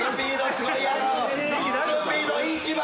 スピード１番！